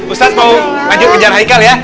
ustaz mau lanjut kejar ikal ya